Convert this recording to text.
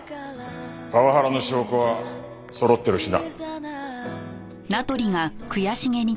パワハラの証拠はそろってるしな。